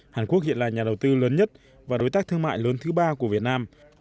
hàn quốc hiện là nhà đầu tư lớn nhất và đối tác thương mại lớn thứ ba của việt nam